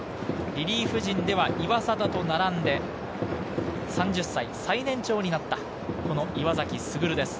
リリーフ陣では岩貞と並んで３０歳、最年長になった岩崎優です。